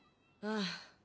ああ。